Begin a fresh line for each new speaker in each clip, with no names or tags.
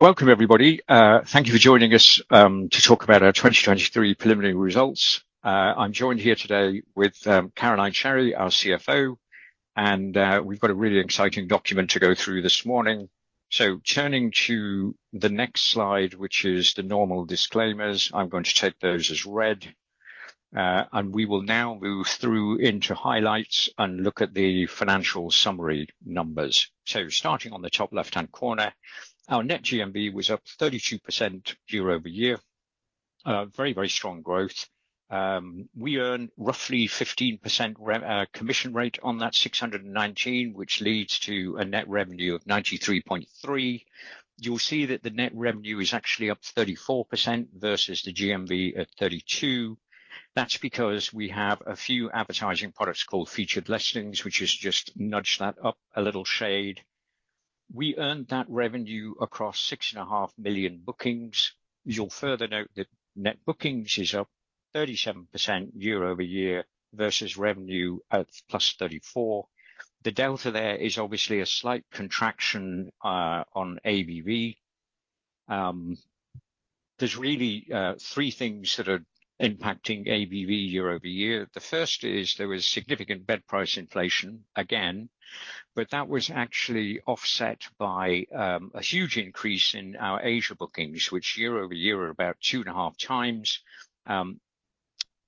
Welcome, everybody. Thank you for joining us to talk about our 2023 preliminary results. I'm joined here today with Caroline Sherry, our CFO, and we've got a really exciting document to go through this morning. Turning to the next slide, which is the normal disclaimers, I'm going to take those as read. We will now move through into highlights and look at the financial summary numbers. Starting on the top left-hand corner, our net GMV was up 32% year-over-year. Very, very strong growth. We earned roughly 15% commission rate on that 619 million, which leads to a net revenue of 93.3 million. You'll see that the net revenue is actually up 34% versus the GMV at 32%. That's because we have a few advertising products called Featured Listings, which has just nudged that up a little shade. We earned that revenue across 6.5 million bookings. You'll further note that net bookings is up 37% year-over-year versus revenue at +34%. The delta there is obviously a slight contraction on ABV. There's really three things that are impacting ABV year-over-year. The first is there was significant bed price inflation again, but that was actually offset by a huge increase in our Asia bookings, which year-over-year are about 2.5 times.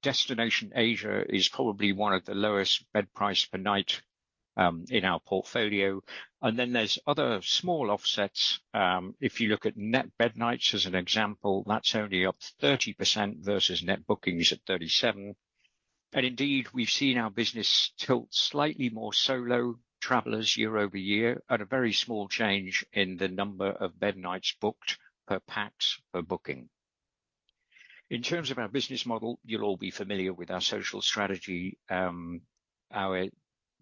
Destination Asia is probably one of the lowest bed price per night in our portfolio. And then there's other small offsets. If you look at net bed nights, as an example, that's only up 30% versus net bookings at 37. And indeed, we've seen our business tilt slightly more solo travelers year over year at a very small change in the number of bed nights booked per pax per booking. In terms of our business model, you'll all be familiar with our social strategy. Our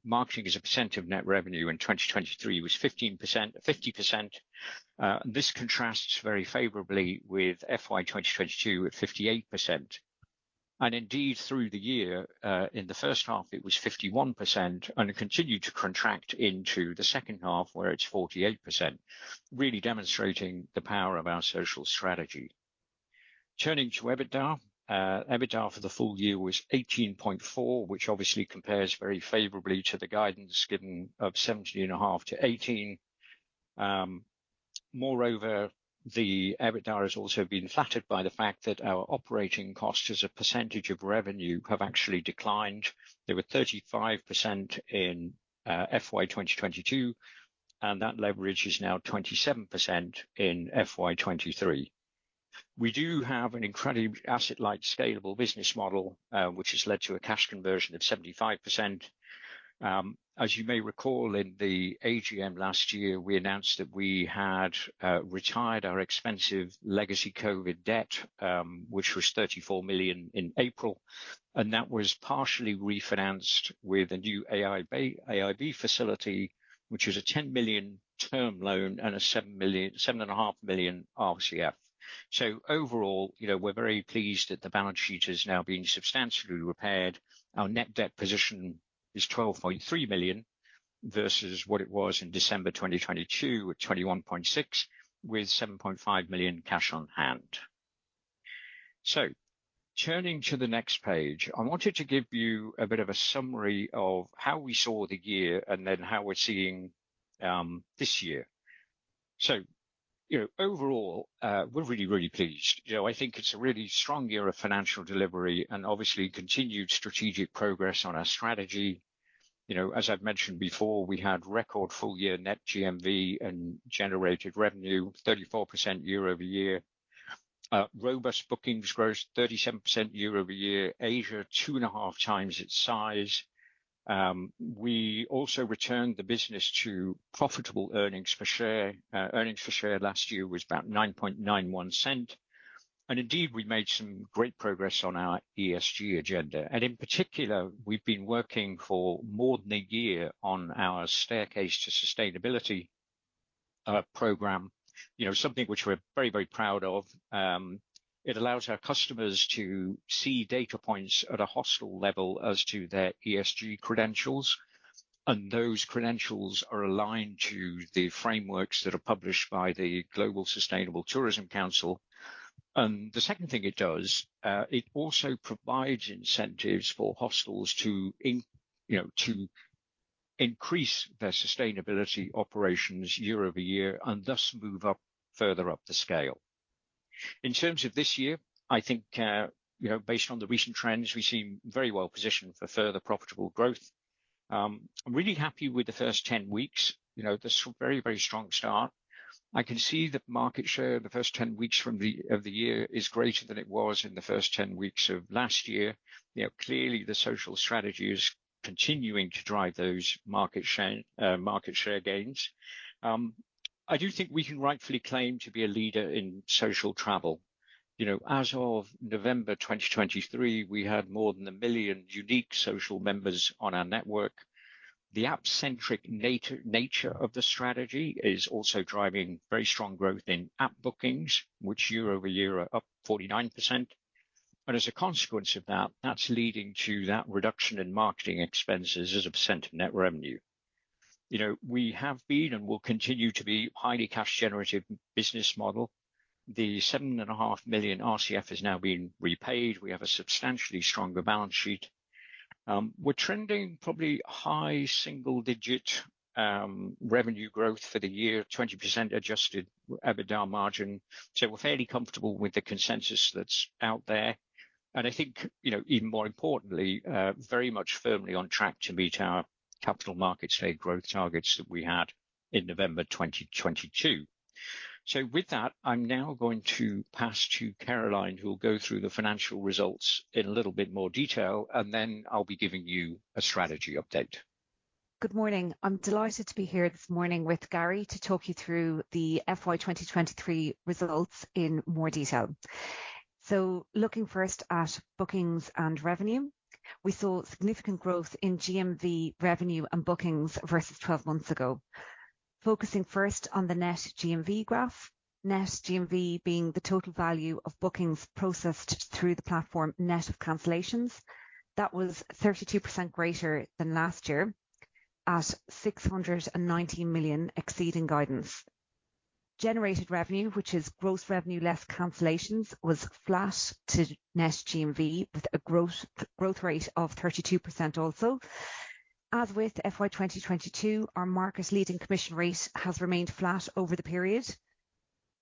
marketing as a percent of net revenue in 2023 was 15%... 50%. And this contrasts very favorably with FY 2022 at 58%. And indeed, through the year, in the first half, it was 51% and continued to contract into the second half, where it's 48%, really demonstrating the power of our social strategy. Turning to EBITDA. EBITDA for the full year was 18.4 million, which obviously compares very favorably to the guidance given of 17.5 million-18 million. Moreover, the EBITDA has also been flattered by the fact that our operating costs as a percentage of revenue have actually declined. They were 35% in FY 2022, and that leverage is now 27% in FY 2023. We do have an incredibly asset-light, scalable business model, which has led to a cash conversion of 75%. As you may recall, in the AGM last year, we announced that we had retired our expensive legacy COVID debt, which was 34 million in April, and that was partially refinanced with a new AIB facility, which was a 10 million term loan and a 7.5 million RCF. So overall, you know, we're very pleased that the balance sheet has now been substantially repaired. Our net debt position is 12.3 million versus what it was in December 2022, at 21.6 million, with 7.5 million cash on hand. So turning to the next page, I wanted to give you a bit of a summary of how we saw the year and then how we're seeing this year. So, you know, overall, we're really, really pleased. You know, I think it's a really strong year of financial delivery and obviously continued strategic progress on our strategy. You know, as I've mentioned before, we had record full year Net GMV and generated revenue 34% year-over-year. Robust bookings growth, 37% year-over-year. Asia, 2.5 times its size. We also returned the business to profitable earnings per share. Earnings per share last year was about 0.991, and indeed, we made some great progress on our ESG agenda. In particular, we've been working for more than a year on our Staircase to Sustainability program. You know, something which we're very, very proud of. It allows our customers to see data points at a hostel level as to their ESG credentials, and those credentials are aligned to the frameworks that are published by the Global Sustainable Tourism Council. The second thing it does, it also provides incentives for hostels to you know, to increase their sustainability operations year over year, and thus move up further up the scale. In terms of this year, I think, you know, based on the recent trends, we seem very well positioned for further profitable growth. I'm really happy with the first 10 weeks. You know, this very, very strong start. I can see that market share in the first 10 weeks of the year is greater than it was in the first 10 weeks of last year. You know, clearly, the social strategy is continuing to drive those market share market share gains. I do think we can rightfully claim to be a leader in social travel. You know, as of November 2023, we had more than a million unique social members on our network. The app-centric nature of the strategy is also driving very strong growth in app bookings, which year-over-year are up 49%. As a consequence of that, that's leading to that reduction in marketing expenses as a percent of net revenue. You know, we have been and will continue to be highly cash generative business model. The 7.5 million RCF has now been repaid. We have a substantially stronger balance sheet. We're trending probably high single-digit revenue growth for the year, 20% Adjusted EBITDA margin. So we're fairly comfortable with the consensus that's out there. And I think, you know, even more importantly, very much firmly on track to meet our capital markets growth targets that we had in November 2022. So with that, I'm now going to pass to Caroline, who will go through the financial results in a little bit more detail, and then I'll be giving you a strategy update.
Good morning. I'm delighted to be here this morning with Gary to talk you through the FY 2023 results in more detail. So looking first at bookings and revenue, we saw significant growth in GMV revenue and bookings versus 12 months ago. Focusing first on the net GMV graph. Net GMV being the total value of bookings processed through the platform, net of cancellations. That was 32% greater than last year, at 619 million, exceeding guidance. Generated revenue, which is gross revenue less cancellations, was flat to net GMV, with a gross growth rate of 32% also. As with FY 2022, our market-leading commission rate has remained flat over the period.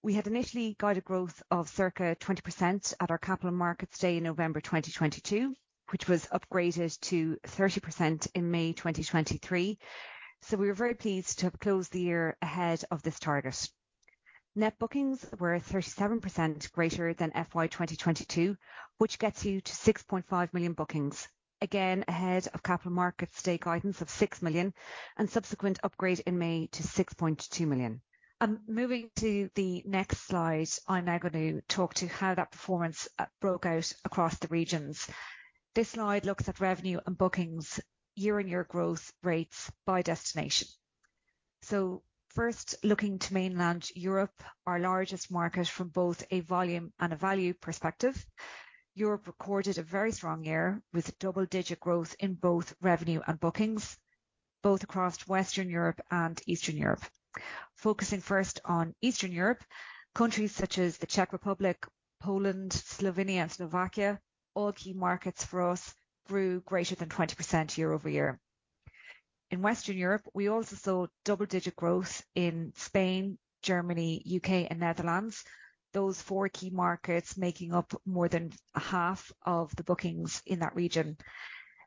We had initially guided growth of circa 20% at our Capital Markets Day in November 2022, which was upgraded to 30% in May 2023. So we were very pleased to have closed the year ahead of this target. Net bookings were 37% greater than FY 2022, which gets you to 6.5 million bookings. Again, ahead of Capital Markets Day guidance of 6 million and subsequent upgrade in May to 6.2 million. Moving to the next slide, I'm now going to talk to how that performance broke out across the regions. This slide looks at revenue and bookings, year-on-year growth rates by destination. First, looking to mainland Europe, our largest market from both a volume and a value perspective. Europe recorded a very strong year, with double-digit growth in both revenue and bookings, both across Western Europe and Eastern Europe. Focusing first on Eastern Europe, countries such as the Czech Republic, Poland, Slovenia and Slovakia, all key markets for us, grew greater than 20% year-over-year. In Western Europe, we also saw double-digit growth in Spain, Germany, U.K. and Netherlands. Those four key markets making up more than half of the bookings in that region.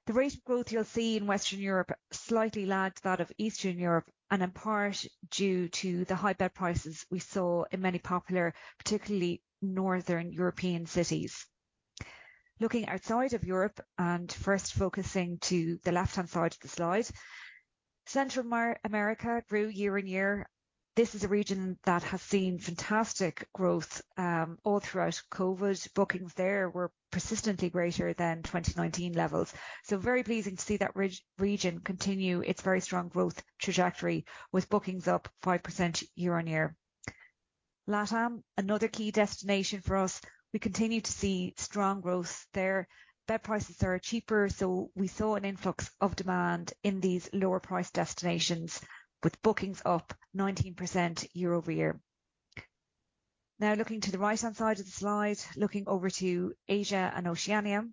The rate of growth you'll see in Western Europe slightly lagged that of Eastern Europe, and in part due to the high bed prices we saw in many popular, particularly northern European cities. Looking outside of Europe and first focusing to the left-hand side of the slide. Central America grew year-over-year. This is a region that has seen fantastic growth, all throughout COVID. Bookings there were persistently greater than 2019 levels, so very pleasing to see that region continue its very strong growth trajectory, with bookings up 5% year-over-year. LATAM, another key destination for us. We continue to see strong growth there. Bed prices are cheaper, so we saw an influx of demand in these lower-priced destinations, with bookings up 19% year-over-year. Now looking to the right-hand side of the slide, looking over to Asia and Oceania.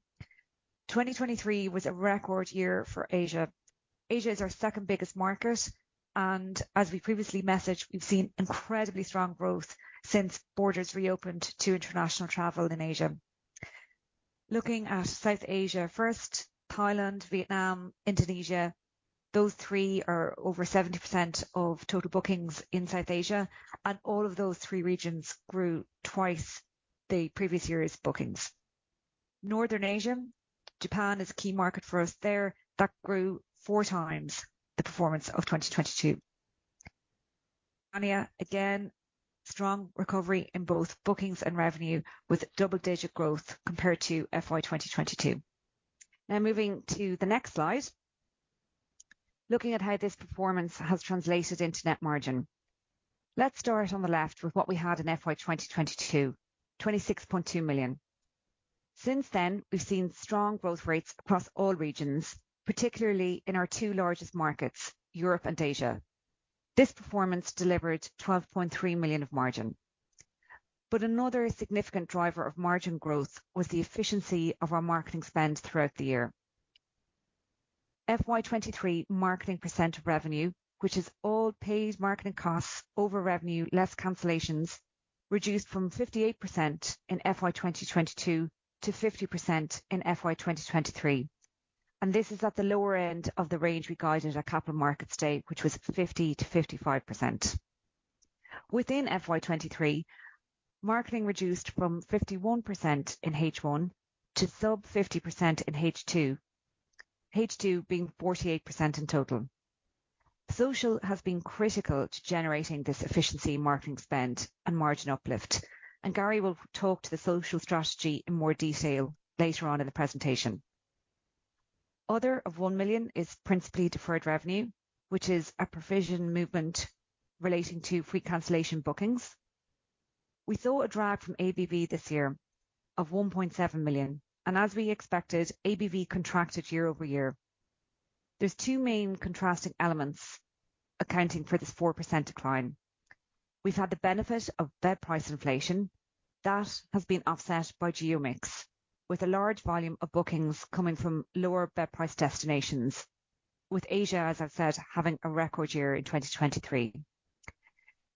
2023 was a record year for Asia. Asia is our second biggest market, and as we previously messaged, we've seen incredibly strong growth since borders reopened to international travel in Asia. Looking at South Asia first: Thailand, Vietnam, Indonesia. Those three are over 70% of total bookings in South Asia, and all of those three regions grew twice the previous year's bookings. Northern Asia: Japan is a key market for us there. That grew four times the performance of 2022. Oceania, again, strong recovery in both bookings and revenue, with double-digit growth compared to FY 2022. Now moving to the next slide. Looking at how this performance has translated into net margin. Let's start on the left with what we had in FY 2022, 26.2 million. Since then, we've seen strong growth rates across all regions, particularly in our two largest markets, Europe and Asia. This performance delivered 12.3 million of margin. But another significant driver of margin growth was the efficiency of our marketing spend throughout the year. FY 2023 marketing percent of revenue, which is all paid marketing costs over revenue, less cancellations, reduced from 58% in FY 2022 to 50% in FY 2023. This is at the lower end of the range we guided at our Capital Markets Day, which was 50%-55%. Within FY 2023, marketing reduced from 51% in H1 to sub 50% in H2, H2 being 48% in total. Social has been critical to generating this efficiency in marketing spend and margin uplift, and Gary will talk to the social strategy in more detail later on in the presentation. Other of 1 million is principally deferred revenue, which is a provision movement relating to free cancellation bookings. We saw a drag from ABV this year of 1.7 million, and as we expected, ABV contracted year-over-year. There's two main contrasting elements accounting for this 4% decline. We've had the benefit of bed price inflation. That has been offset by geo mix, with a large volume of bookings coming from lower bed price destinations, with Asia, as I've said, having a record year in 2023.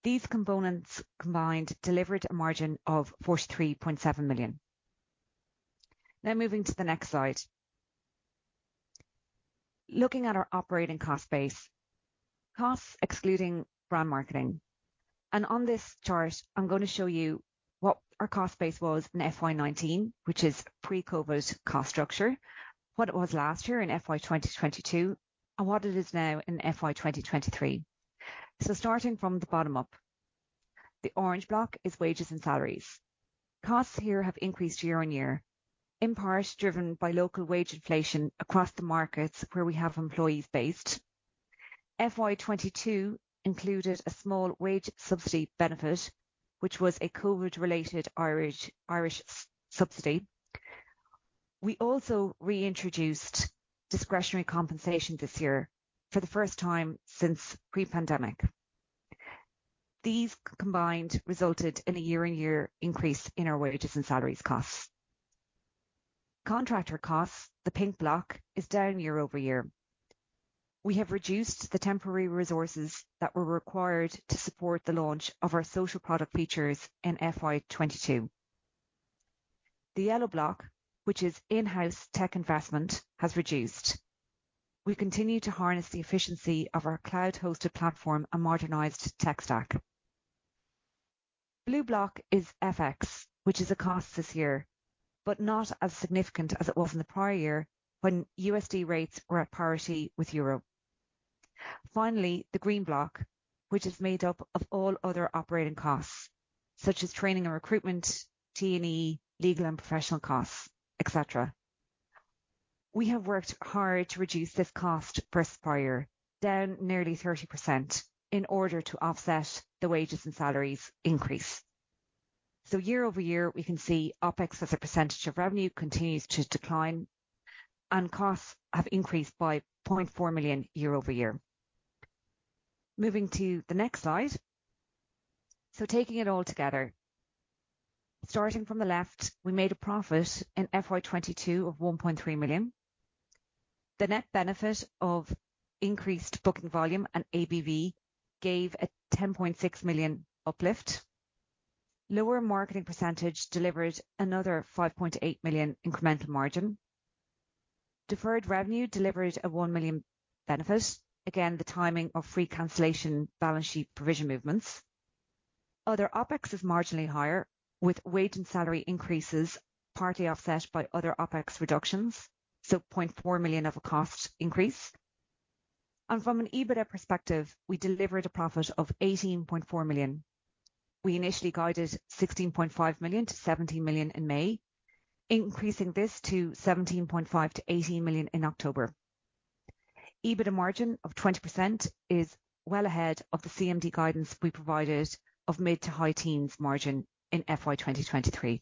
These components combined delivered a margin of 43.7 million. Now moving to the next slide. Looking at our operating cost base, costs excluding brand marketing, and on this chart, I'm going to show you what our cost base was in FY 2019, which is pre-COVID cost structure, what it was last year in FY 2022, and what it is now in FY 2023. So starting from the bottom up, the orange block is wages and salaries. Costs here have increased year-on-year, in part driven by local wage inflation across the markets where we have employees based. FY 2022 included a small wage subsidy benefit, which was a COVID-related Irish subsidy. We also reintroduced discretionary compensation this year for the first time since pre-pandemic. These combined resulted in a year-over-year increase in our wages and salaries costs. Contractor costs, the pink block, is down year-over-year. We have reduced the temporary resources that were required to support the launch of our social product features in FY 2022. The yellow block, which is in-house tech investment, has reduced. We continue to harness the efficiency of our cloud-hosted platform and modernized tech stack. Blue block is FX, which is a cost this year, but not as significant as it was in the prior year when USD rates were at parity with euro. Finally, the green block, which is made up of all other operating costs, such as training and recruitment, T&E, legal and professional costs, et cetera. We have worked hard to reduce this cost versus prior, down nearly 30% in order to offset the wages and salaries increase. So year-over-year, we can see OpEx as a percentage of revenue continues to decline and costs have increased by 0.4 million year-over-year. Moving to the next slide. So taking it all together, starting from the left, we made a profit in FY 2022 of 1.3 million. The net benefit of increased booking volume and ABV gave a 10.6 million uplift. Lower marketing percentage delivered another 5.8 million incremental margin. Deferred revenue delivered a 1 million benefit. Again, the timing of free cancellation balance sheet provision movements. Other OpEx is marginally higher, with wage and salary increases, partly offset by other OpEx reductions, so 0.4 million of a cost increase. From an EBITDA perspective, we delivered a profit of 18.4 million. We initially guided 16.5 million-17 million in May, increasing this to 17.5 million-18 million in October. EBITDA margin of 20% is well ahead of the CMD guidance we provided of mid to high teens margin in FY 2023.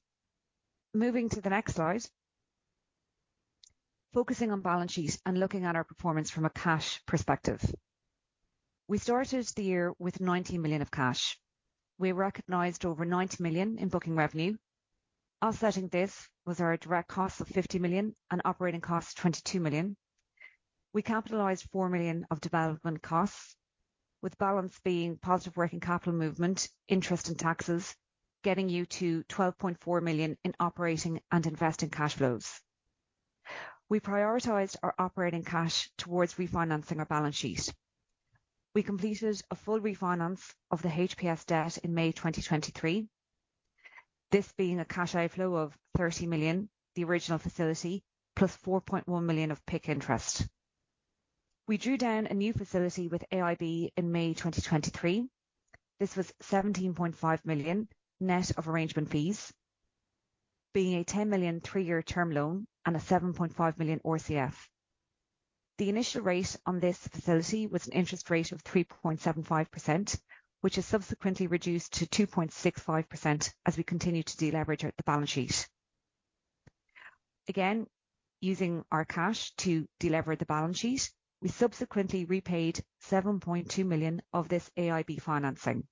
Moving to the next slide. Focusing on balance sheet and looking at our performance from a cash perspective. We started the year with 90 million of cash. We recognized over 90 million in booking revenue. Offsetting this was our direct costs of 50 million and operating costs, 22 million. We capitalized 4 million of development costs, with balance being positive working capital movement, interest and taxes, getting you to 12.4 million in operating and investing cash flows. We prioritized our operating cash towards refinancing our balance sheet. We completed a full refinance of the HPS debt in May 2023, this being a cash outflow of 30 million, the original facility, plus 4.1 million of PIK interest. We drew down a new facility with AIB in May 2023. This was 17.5 million net of arrangement fees, being a 10 million, three-year term loan and a 7.5 million RCF. The initial rate on this facility was an interest rate of 3.75%, which is subsequently reduced to 2.65% as we continue to deleverage the balance sheet. Again, using our cash to delever the balance sheet, we subsequently repaid 7.2 million of this AIB financing.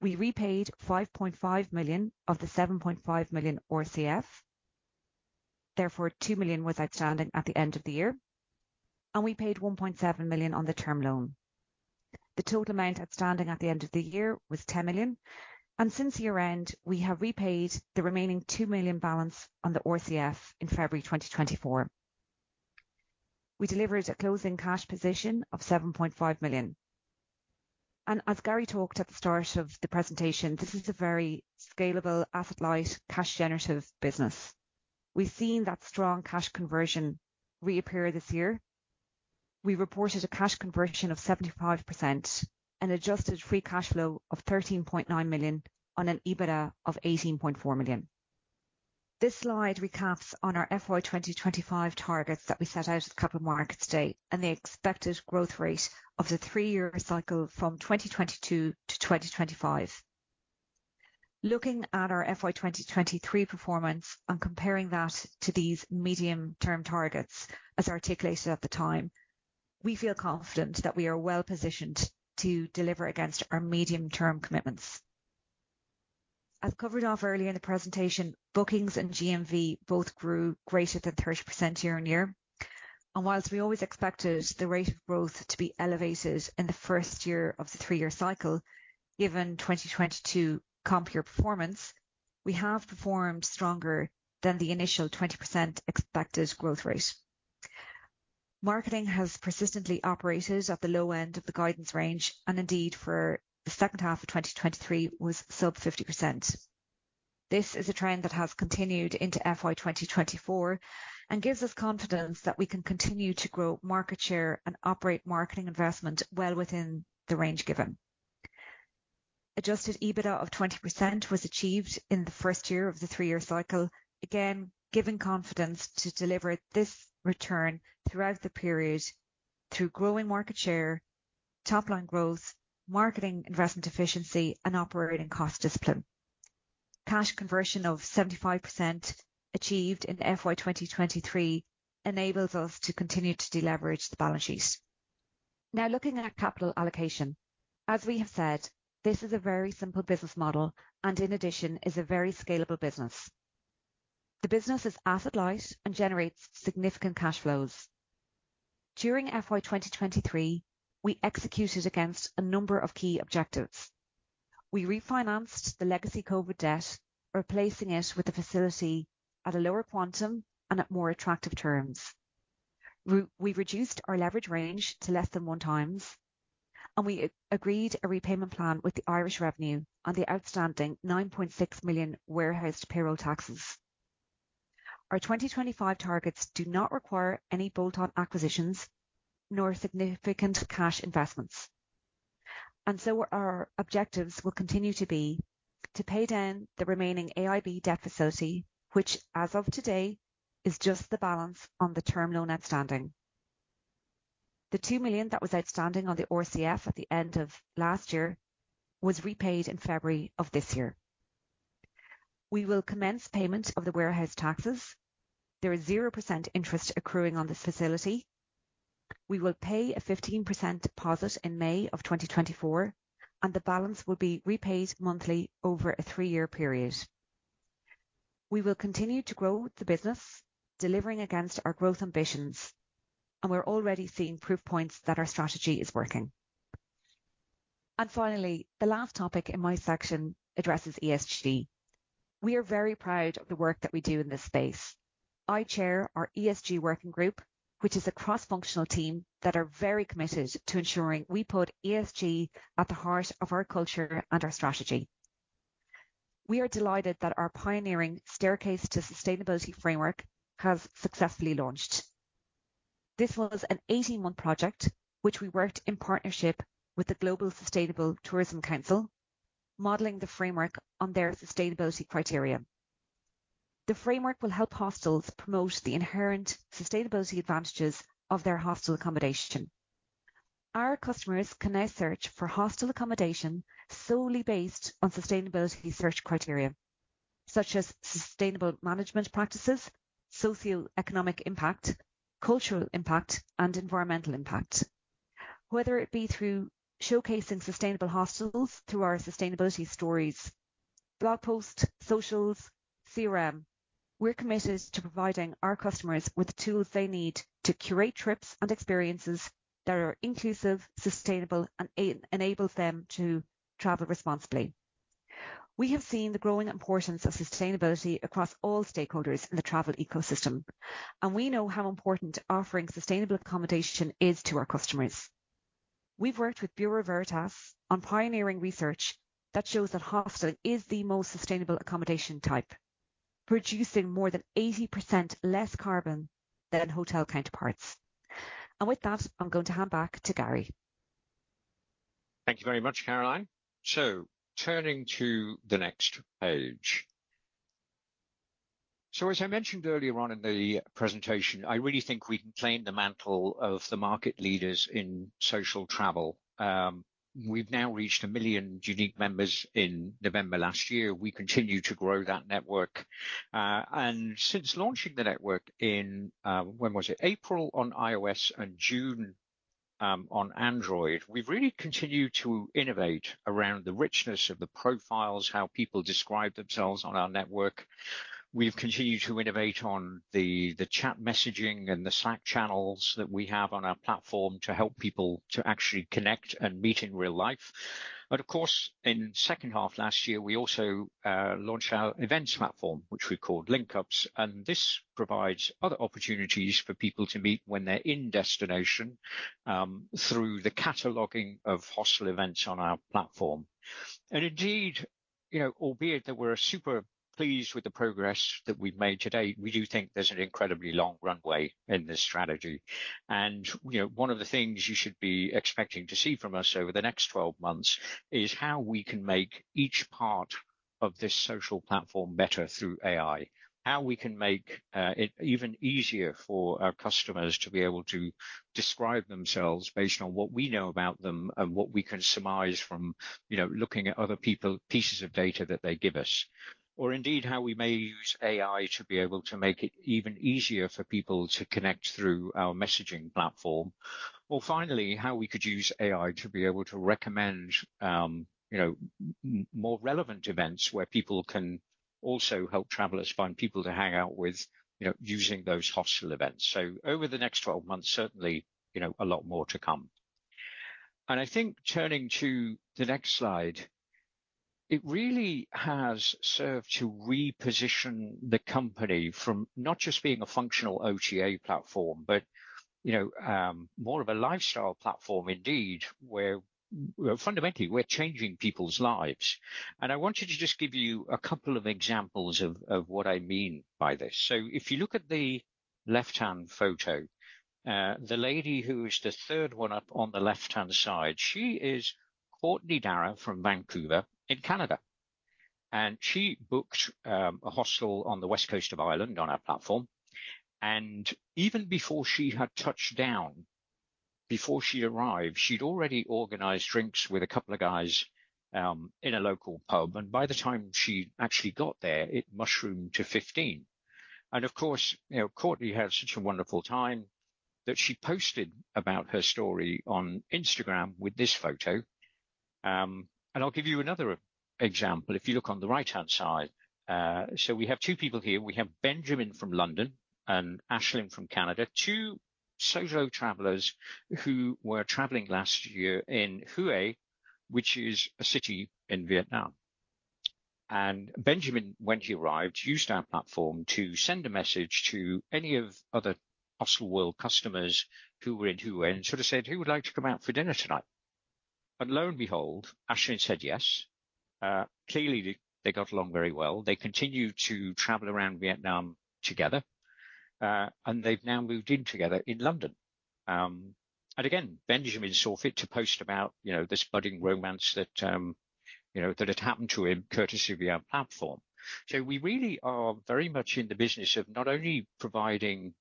We repaid 5.5 million of the 7.5 million RCF. Therefore, 2 million was outstanding at the end of the year, and we paid 1.7 million on the term loan. The total amount outstanding at the end of the year was 10 million, and since year-end, we have repaid the remaining 2 million balance on the RCF in February 2024. We delivered a closing cash position of 7.5 million. As Gary talked at the start of the presentation, this is a very scalable, asset-light, cash generative business. We've seen that strong cash conversion reappear this year. We reported a cash conversion of 75% and adjusted free cash flow of 13.9 million on an EBITDA of 18.4 million. This slide recaps on our FY 2025 targets that we set out at the Capital Markets Day and the expected growth rate of the three-year cycle from 2022-2025. Looking at our FY 2023 performance and comparing that to these medium-term targets, as articulated at the time, we feel confident that we are well-positioned to deliver against our medium-term commitments. As covered off earlier in the presentation, bookings and GMV both grew greater than 30% year-over-year. While we always expected the rate of growth to be elevated in the first year of the three-year cycle, given 2022 comp year performance, we have performed stronger than the initial 20% expected growth rate. Marketing has persistently operated at the low end of the guidance range, and indeed for the second half of 2023 was sub 50%. This is a trend that has continued into FY 2024 and gives us confidence that we can continue to grow market share and operate marketing investment well within the range given. Adjusted EBITDA of 20% was achieved in the first year of the three-year cycle. Again, giving confidence to deliver this return throughout the period through growing market share, top-line growth, marketing investment efficiency, and operating cost discipline. Cash conversion of 75%, achieved in FY 2023, enables us to continue to deleverage the balance sheet. Now, looking at capital allocation, as we have said, this is a very simple business model and in addition is a very scalable business. The business is asset light and generates significant cash flows. During FY 2023, we executed against a number of key objectives. We refinanced the legacy COVID debt, replacing it with a facility at a lower quantum and at more attractive terms. We reduced our leverage range to less than 1 times, and we agreed a repayment plan with the Irish Revenue on the outstanding 9.6 million warehoused payroll taxes. Our 2025 targets do not require any bolt-on acquisitions nor significant cash investments, and so our objectives will continue to be to pay down the remaining AIB debt facility, which as of today is just the balance on the term loan outstanding. The 2 million that was outstanding on the RCF at the end of last year was repaid in February of this year. We will commence payment of the warehoused taxes. There is 0% interest accruing on this facility. We will pay a 15% deposit in May 2024, and the balance will be repaid monthly over a 3-year period. We will continue to grow the business, delivering against our growth ambitions, and we're already seeing proof points that our strategy is working. Finally, the last topic in my section addresses ESG. We are very proud of the work that we do in this space. I chair our ESG working group, which is a cross-functional team that are very committed to ensuring we put ESG at the heart of our culture and our strategy. We are delighted that our pioneering Staircase to Sustainability framework has successfully launched. This was an 18-month project, which we worked in partnership with the Global Sustainable Tourism Council, modeling the framework on their sustainability criteria. The framework will help hostels promote the inherent sustainability advantages of their hostel accommodation. Our customers can now search for hostel accommodation solely based on sustainability search criteria, such as sustainable management practices, socioeconomic impact, cultural impact, and environmental impact. Whether it be through showcasing sustainable hostels through our sustainability stories, blog posts, socials, CRM, we're committed to providing our customers with the tools they need to curate trips and experiences that are inclusive, sustainable, and enables them to travel responsibly. We have seen the growing importance of sustainability across all stakeholders in the travel ecosystem, and we know how important offering sustainable accommodation is to our customers. We've worked with Bureau Veritas on pioneering research that shows that hosting is the most sustainable accommodation type, reducing more than 80% less carbon than hotel counterparts. With that, I'm going to hand back to Gary.
Thank you very much, Caroline. Turning to the next page. As I mentioned earlier on in the presentation, I really think we can claim the mantle of the market leaders in social travel. We've now reached 1 million unique members in November last year. We continue to grow that network. And since launching the network in, when was it? April on iOS and June on Android, we've really continued to innovate around the richness of the profiles, how people describe themselves on our network. We've continued to innovate on the chat messaging and the Slack channels that we have on our platform to help people to actually connect and meet in real life. But of course, in second half last year, we also launched our events platform, which we called Linkups, and this provides other opportunities for people to meet when they're in destination through the cataloging of hostel events on our platform. Indeed, you know, albeit that we're super pleased with the progress that we've made to date, we do think there's an incredibly long runway in this strategy. You know, one of the things you should be expecting to see from us over the next 12 months is how we can make each part of this social platform better through AI. How we can make it even easier for our customers to be able to describe themselves based on what we know about them and what we can surmise from, you know, looking at other people, pieces of data that they give us, or indeed, how we may use AI to be able to make it even easier for people to connect through our messaging platform. Or finally, how we could use AI to be able to recommend, you know, more relevant events, where people can also help travelers find people to hang out with, you know, using those hostel events. So over the next 12 months, certainly, you know, a lot more to come. And I think turning to the next slide, it really has served to reposition the company from not just being a functional OTA platform, but, you know, more of a lifestyle platform indeed, where fundamentally we're changing people's lives. And I wanted to just give you a couple of examples of what I mean by this. So if you look at the left-hand photo, the lady who is the third one up on the left-hand side, she is Courtney Darrow from Vancouver in Canada, and she booked a hostel on the west coast of Ireland on our platform, and even before she had touched down, before she arrived, she'd already organized drinks with a couple of guys in a local pub, and by the time she actually got there, it mushroomed to 15. Of course, you know, Courtney had such a wonderful time that she posted about her story on Instagram with this photo. I'll give you another example. If you look on the right-hand side, so we have two people here. We have Benjamin from London and Aislinn from Canada, two solo travelers who were traveling last year in Hue, which is a city in Vietnam. And Benjamin, when he arrived, used our platform to send a message to any other Hostelworld customers who were in Hue and sort of said, "Who would like to come out for dinner tonight?" But lo and behold, Aislinn said yes. Clearly, they got along very well. They continued to travel around Vietnam together, and they've now moved in together in London. And again, Benjamin saw fit to post about, you know, this budding romance that, you know, that had happened to him courtesy of our platform. So we really are very much in the business of not only providing,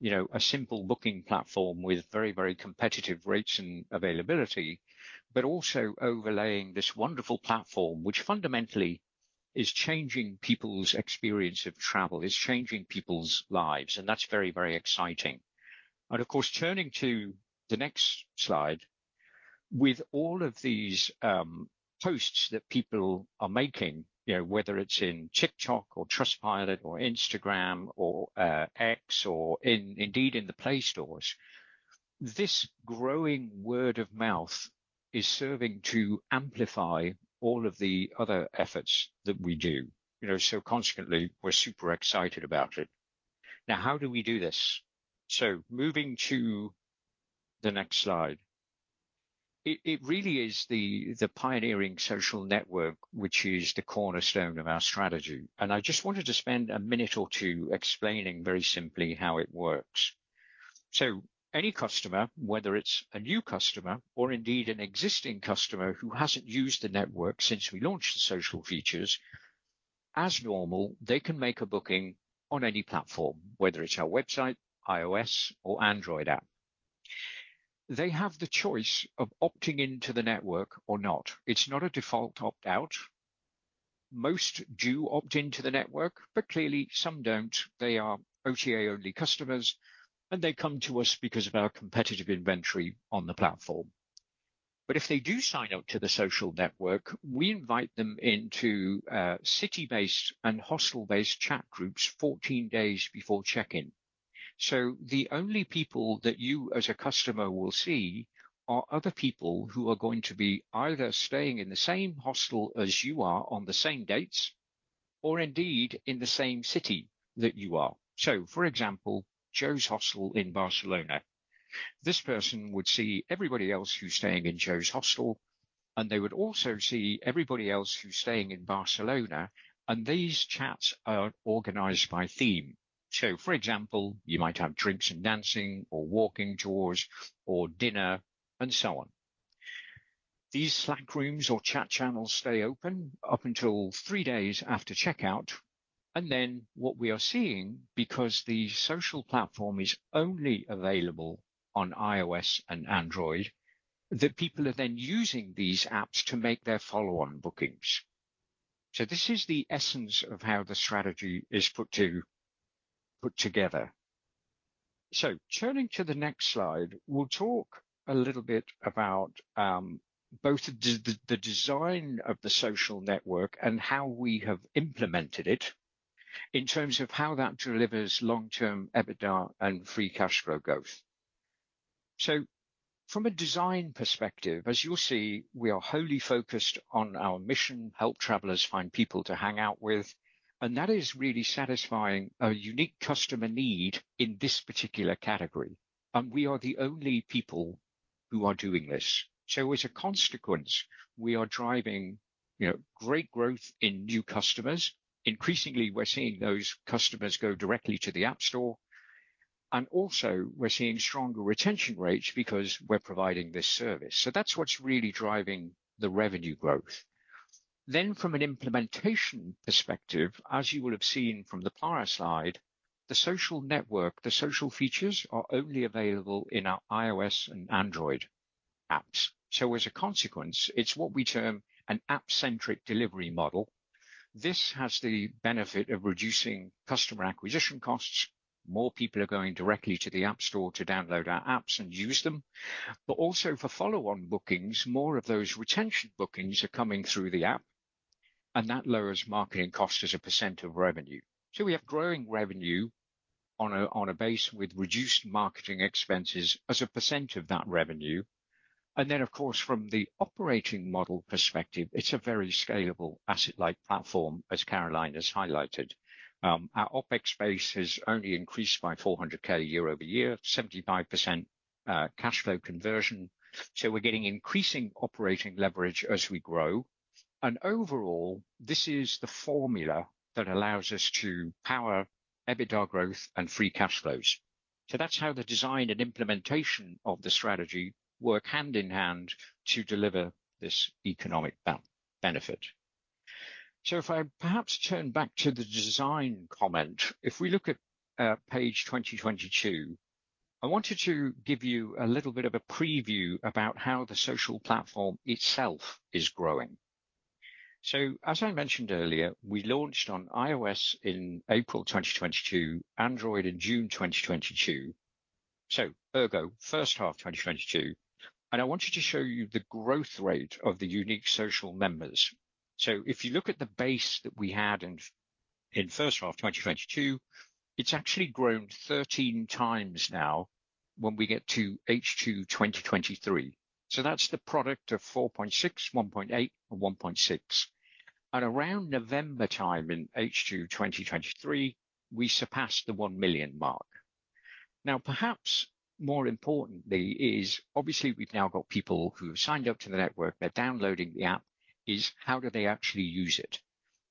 you know, a simple booking platform with very, very competitive rates and availability, but also overlaying this wonderful platform, which fundamentally is changing people's experience of travel. It's changing people's lives, and that's very, very exciting. And of course, turning to the next slide, with all of these posts that people are making, you know, whether it's in TikTok or Trustpilot or Instagram or X or indeed in the Play Stores, this growing word of mouth is serving to amplify all of the other efforts that we do. You know, so consequently, we're super excited about it. Now, how do we do this? Moving to the next slide. It really is the pioneering social network, which is the cornerstone of our strategy, and I just wanted to spend a minute or two explaining very simply how it works. Any customer, whether it's a new customer or indeed an existing customer who hasn't used the network since we launched the social features, as normal, they can make a booking on any platform, whether it's our website, iOS, or Android app. They have the choice of opting into the network or not. It's not a default opt-out. Most do opt into the network, but clearly some don't. They are OTA-only customers, and they come to us because of our competitive inventory on the platform. But if they do sign up to the social network, we invite them into city-based and hostel-based chat groups 14 days before check-in. So the only people that you as a customer will see are other people who are going to be either staying in the same hostel as you are on the same dates, or indeed, in the same city that you are. So for example, Joe's Hostel in Barcelona. This person would see everybody else who's staying in Joe's Hostel, and they would also see everybody else who's staying in Barcelona, and these chats are organized by theme. So, for example, you might have drinks and dancing or walking tours or dinner and so on. These Slack rooms or chat channels stay open up until three days after checkout, and then what we are seeing, because the social platform is only available on iOS and Android, that people are then using these apps to make their follow-on bookings. So this is the essence of how the strategy is put together. So turning to the next slide, we'll talk a little bit about both the design of the social network and how we have implemented it in terms of how that delivers long-term EBITDA and free cash flow growth. So from a design perspective, as you'll see, we are wholly focused on our mission, "Help travelers find people to hang out with," and that is really satisfying a unique customer need in this particular category, and we are the only people who are doing this. So as a consequence, we are driving, you know, great growth in new customers. Increasingly, we're seeing those customers go directly to the App Store... and also we're seeing stronger retention rates because we're providing this service. So that's what's really driving the revenue growth. Then from an implementation perspective, as you will have seen from the prior slide, the social network, the social features are only available in our iOS and Android apps. So as a consequence, it's what we term an app-centric delivery model. This has the benefit of reducing customer acquisition costs. More people are going directly to the App Store to download our apps and use them. But also for follow-on bookings, more of those retention bookings are coming through the app, and that lowers marketing costs as a percent of revenue. So we have growing revenue on a base with reduced marketing expenses as a percent of that revenue. And then, of course, from the operating model perspective, it's a very scalable asset-light platform, as Caroline has highlighted. Our OpEx base has only increased by 400,000 year-over-year, 75% cash flow conversion. So we're getting increasing operating leverage as we grow, and overall, this is the formula that allows us to power EBITDA growth and free cash flows. So that's how the design and implementation of the strategy work hand in hand to deliver this economic benefit. So if I perhaps turn back to the design comment, if we look at page 2022, I wanted to give you a little bit of a preview about how the social platform itself is growing. So as I mentioned earlier, we launched on iOS in April 2022, Android in June 2022, so ergo, first half 2022. And I wanted to show you the growth rate of the unique social members. So if you look at the base that we had in first half 2022, it's actually grown 13 times now when we get to H2 2023. So that's the product of 4.6, 1.8, and 1.6. At around November time in H2 2023, we surpassed the 1 million mark. Now, perhaps more importantly is obviously we've now got people who have signed up to the network, they're downloading the app, is how do they actually use it?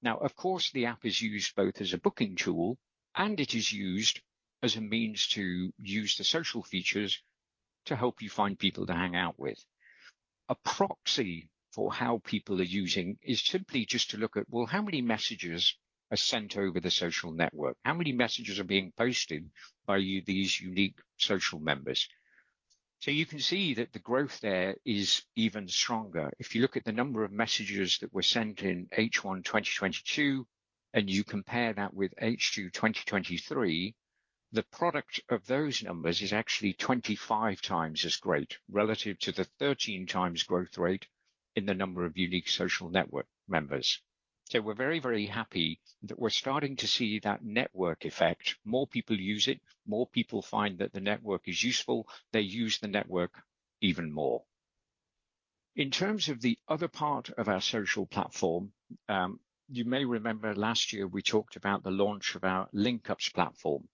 Now, of course, the app is used both as a booking tool and it is used as a means to use the social features to help you find people to hang out with. A proxy for how people are using is simply just to look at, well, how many messages are sent over the social network? How many messages are being posted by these unique social members? So you can see that the growth there is even stronger. If you look at the number of messages that were sent in H1 2022, and you compare that with H2 2023, the product of those numbers is actually 25 times as great relative to the 13 times growth rate in the number of unique social network members. So we're very, very happy that we're starting to see that network effect. More people use it, more people find that the network is useful. They use the network even more. In terms of the other part of our social platform, you may remember last year we talked about the launch of our Linkups platform.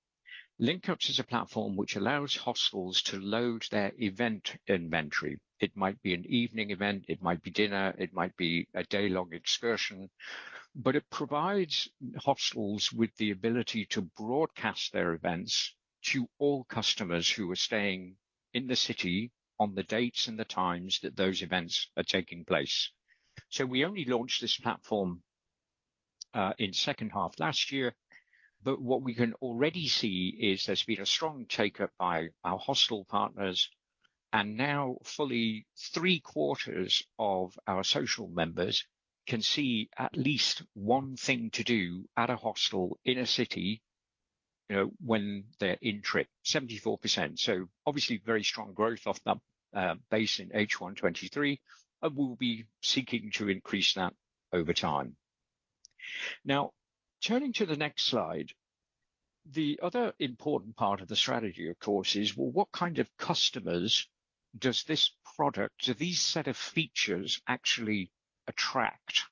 Linkups is a platform which allows hostels to load their event inventory. It might be an evening event, it might be dinner, it might be a day-long excursion, but it provides hostels with the ability to broadcast their events to all customers who are staying in the city on the dates and the times that those events are taking place. So we only launched this platform in second half last year, but what we can already see is there's been a strong take-up by our hostel partners, and now fully three-quarters of our social members can see at least one thing to do at a hostel in a city, you know, when they're in trip, 74%. So obviously very strong growth off that base in H1 2023, and we'll be seeking to increase that over time. Now, turning to the next slide, the other important part of the strategy, of course, is: well, what kind of customers does this product, do these set of features actually attract?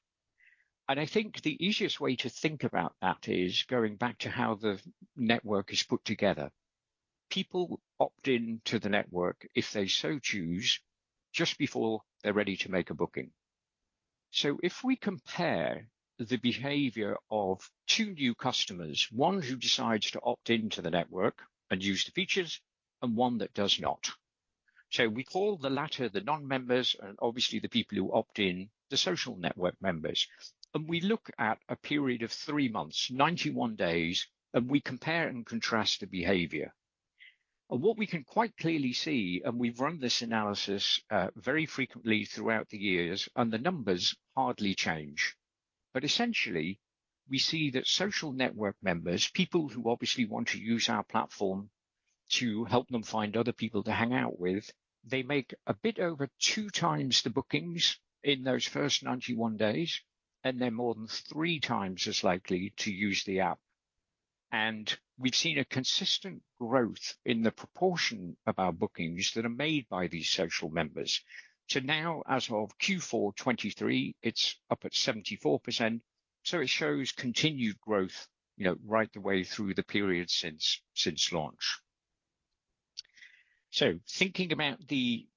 And I think the easiest way to think about that is going back to how the network is put together. People opt in to the network if they so choose, just before they're ready to make a booking. So if we compare the behavior of two new customers, one who decides to opt in to the network and use the features and one that does not. So we call the latter the non-members, and obviously the people who opt in, the social network members. And we look at a period of 3 months, 91 days, and we compare and contrast the behavior. And what we can quite clearly see, and we've run this analysis very frequently throughout the years, and the numbers hardly change. But essentially, we see that social network members, people who obviously want to use our platform to help them find other people to hang out with, they make a bit over 2 times the bookings in those first 91 days, and they're more than 3 times as likely to use the app. And we've seen a consistent growth in the proportion of our bookings that are made by these social members. To now, as of Q4 2023, it's up at 74%, so it shows continued growth, you know, right the way through the period since, since launch.... So thinking about the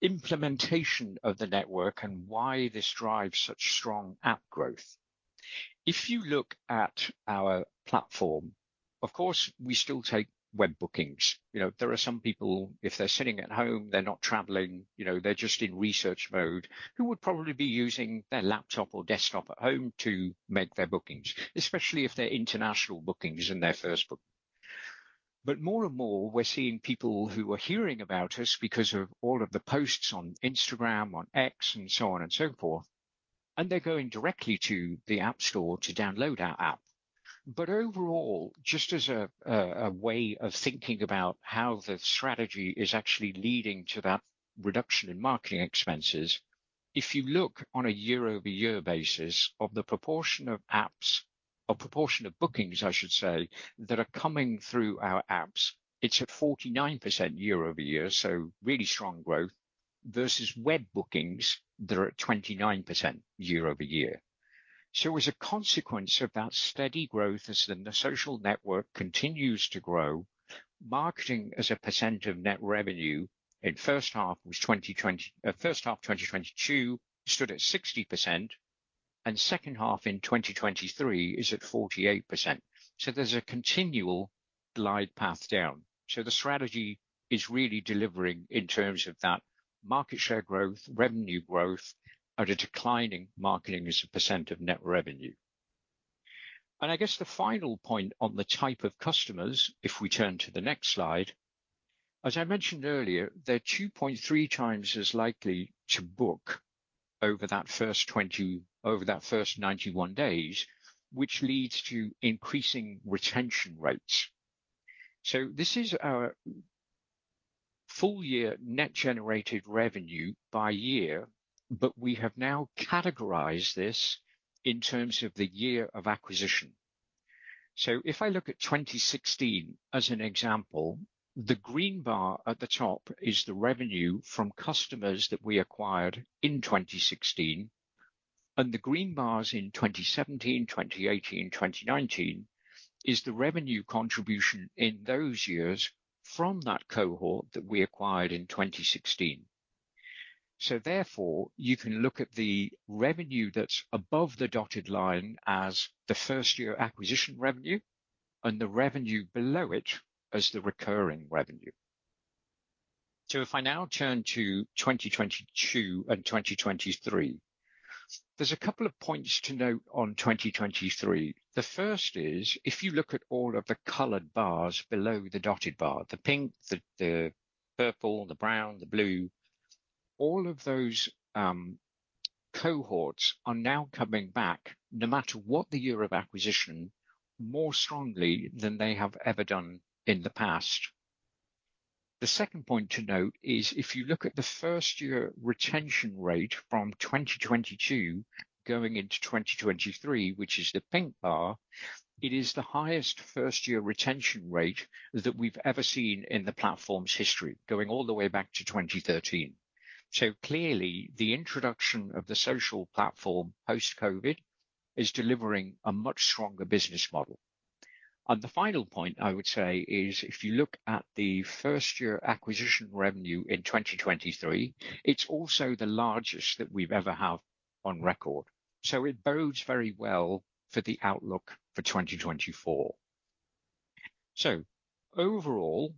implementation of the network and why this drives such strong app growth, if you look at our platform, of course, we still take web bookings. You know, there are some people, if they're sitting at home, they're not traveling, you know, they're just in research mode, who would probably be using their laptop or desktop at home to make their bookings, especially if they're international bookings and their first booking. But more and more, we're seeing people who are hearing about us because of all of the posts on Instagram, on X, and so on and so forth, and they're going directly to the App Store to download our app. But overall, just as a way of thinking about how the strategy is actually leading to that reduction in marketing expenses, if you look on a year-over-year basis of the proportion of apps or proportion of bookings, I should say, that are coming through our apps, it's at 49% year-over-year, so really strong growth, versus web bookings that are at 29% year-over-year. So as a consequence of that steady growth, as the social network continues to grow, marketing as a percent of net revenue in first half was, first half of 2022 stood at 60%, and second half in 2023 is at 48%. So there's a continual glide path down. So the strategy is really delivering in terms of that market share growth, revenue growth, and a declining marketing as a percent of net revenue. I guess the final point on the type of customers, if we turn to the next slide. As I mentioned earlier, they're 2.3 times as likely to book over that first 91 days, which leads to increasing retention rates. So this is our full year net generated revenue by year, but we have now categorized this in terms of the year of acquisition. So if I look at 2016 as an example, the green bar at the top is the revenue from customers that we acquired in 2016, and the green bars in 2017, 2018, 2019, is the revenue contribution in those years from that cohort that we acquired in 2016. So therefore, you can look at the revenue that's above the dotted line as the first-year acquisition revenue and the revenue below it as the recurring revenue. So if I now turn to 2022 and 2023, there's a couple of points to note on 2023. The first is, if you look at all of the colored bars below the dotted bar, the pink, the purple, the brown, the blue, all of those, cohorts are now coming back, no matter what the year of acquisition, more strongly than they have ever done in the past. The second point to note is, if you look at the first-year retention rate from 2022 going into 2023, which is the pink bar, it is the highest first-year retention rate that we've ever seen in the platform's history, going all the way back to 2013. So clearly, the introduction of the social platform post-COVID is delivering a much stronger business model. The final point I would say is, if you look at the first-year acquisition revenue in 2023, it's also the largest that we've ever had on record. It bodes very well for the outlook for 2024. Overall,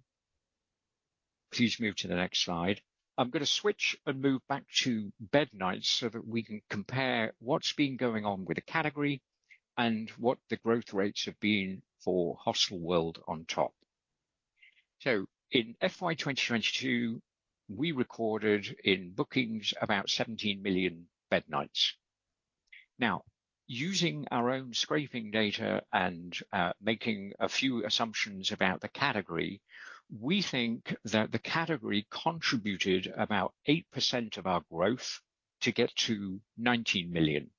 please move to the next slide. I'm gonna switch and move back to bed nights so that we can compare what's been going on with the category and what the growth rates have been for Hostelworld on top. In FY 2022, we recorded in bookings about 17 million bed nights. Now, using our own scraping data and making a few assumptions about the category, we think that the category contributed about 8% of our growth to get to 19 million.